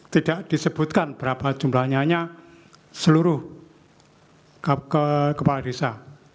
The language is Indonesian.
tidak disebutkan berapa jumlahnya seluruh kepala desa